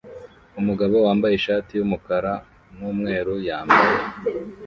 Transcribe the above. Umugabo wambaye ishati yumukara numweru yambaye